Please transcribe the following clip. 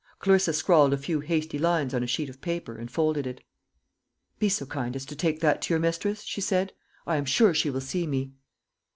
Clarissa scrawled a few hasty lines on a sheet of paper, and folded it. "Be so kind as to take that to your mistress," she said. "I am sure she will see me."